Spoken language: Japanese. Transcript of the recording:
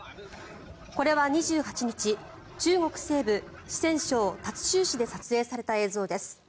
これは２８日中国西部、四川省達州市で撮影された映像です。